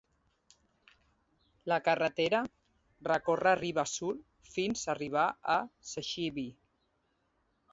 La carretera recorre riba sud fins arribar a Saxilby.